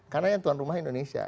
karena yang tuan rumah indonesia